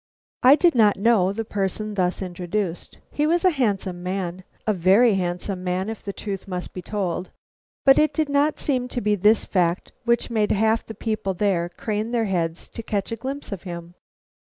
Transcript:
I did not know the person thus introduced. He was a handsome man, a very handsome man, if the truth must be told, but it did not seem to be this fact which made half the people there crane their heads to catch a glimpse of him.